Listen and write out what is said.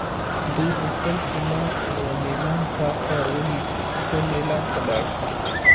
دوی غوښتل چې ما وه میلان ښار ته ولیږي، زه مېلان ته لاړ شم.